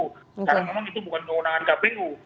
karena memang itu bukan keundangan kpu